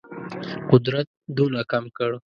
قدرت دونه کم کړ.